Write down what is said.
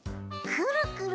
くるくる？